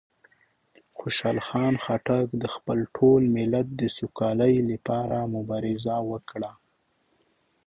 خوشحال خان خټک د خپل ټول ملت د سوکالۍ لپاره مبارزه وکړه.